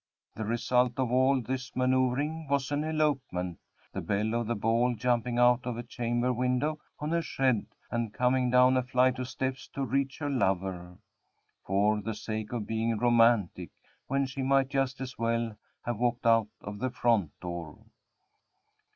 The result of all this manoeuvring was an elopement; the belle of the ball jumping out of a chamber window on a shed, and coming down a flight of steps to reach her lover, for the sake of being romantic, when she might just as well have walked out of the front door.